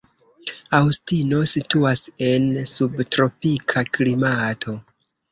Aŭstino situas en subtropika klimato.